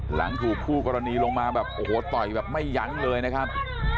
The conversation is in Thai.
หลังถูกคู่กรณีลงมาแบบโอ้โหต่อยแบบไม่ยั้งเลยนะครับ